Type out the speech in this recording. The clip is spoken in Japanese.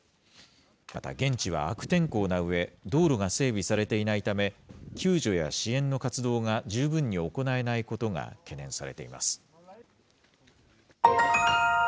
また現地は悪天候なうえ、道路が整備されていないため、救助や支援の活動が十分に行えないことが懸念されています。